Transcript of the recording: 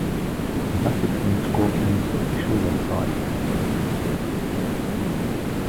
Adapted from the Scorpion's official website.